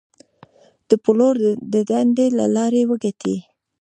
د پلور د دندې له لارې وګټئ.